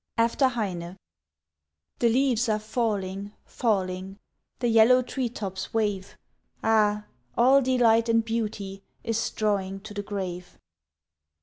1881. AFTER HEINE The leaves are falling, falling, The yellow treetops wave, Ah, all delight and beauty Is drawing to the grave.